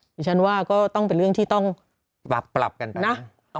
หนึ่งฉันว่าก็ต้องเป็นเรื่องที่ต้องปรับกันผ่า